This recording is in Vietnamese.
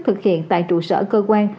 thực hiện tại trụ sở cơ quan